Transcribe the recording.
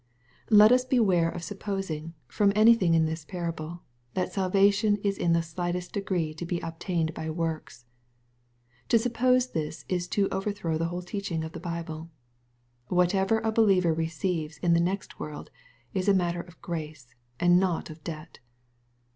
Let us beware of supposing, from anything in this parable, that salvation is in the slightest degree to be obtained by works. To suppose this is to overthrow the whole teaching of the Bible. Whatever a believer re ceives in the next world, is a matter of grace, and not of debt.